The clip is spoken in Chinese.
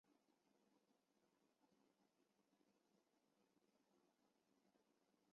有苏氏被认为是后世苏姓之始祖。